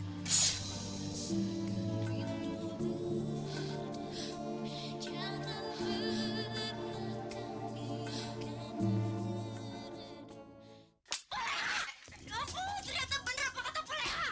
boleh tidak tuhan ternyata benar apa kata boleh